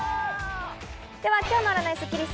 今日の占いスッキりす。